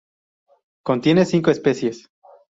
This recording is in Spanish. Contiene cinco especies